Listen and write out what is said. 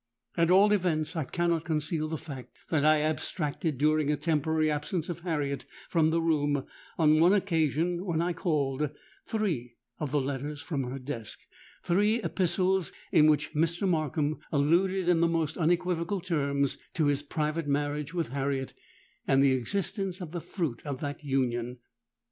At all events I cannot conceal the fact that I abstracted, during a temporary absence of Harriet from the room on one occasion when I called, three of the letters from her desk,—three epistles in which Mr. Markham alluded in the most unequivocal terms to his private marriage with Harriet and the existence of the fruit of that union.